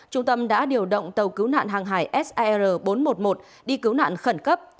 trung tâm đã điều động tàu cứu nạn hàng hải sir bốn trăm một mươi một đi cứu nạn khẩn cấp